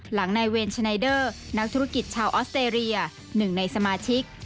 หลังนายเวนชันไนเดอร์นักธุรกิจชาวออสเตรีย๑ในสมาชิก